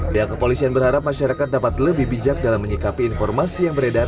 pihak kepolisian berharap masyarakat dapat lebih bijak dalam menyikapi informasi yang beredar